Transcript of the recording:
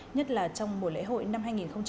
nhất là trong mùa lễ hội năm hai nghìn hai mươi